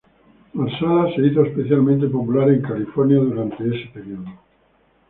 Marsala se hizo especialmente popular en California durante ese periodo.